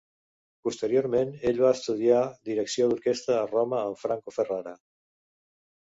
Posteriorment ell va estudiar direcció d'orquestra a Roma amb Franco Ferrara.